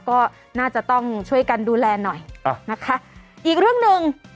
ก็น่าจะต้องช่วยกันดูแลหน่อยนะคะอีกเรื่องหนึ่ง